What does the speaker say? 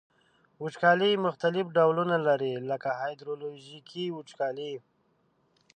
وچکالي مختلف ډولونه لري لکه هایدرولوژیکي وچکالي.